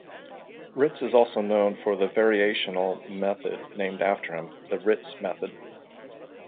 Ritz is also known for the variational method named after him, the Ritz method.